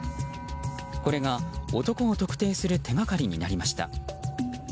これが男を特定する手がかりになりました。